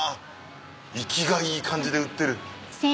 生きがいい感じで売ってる。